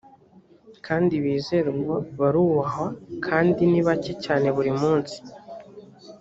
kandi bizerwa barubahwa kandi ni bake cyane buri munsi